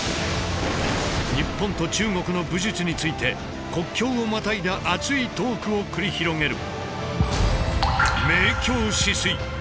日本と中国の武術について国境をまたいだ熱いトークを繰り広げる。